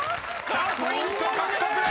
［１００ポイント獲得です］